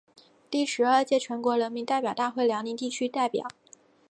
第十二届全国人民代表大会辽宁地区代表。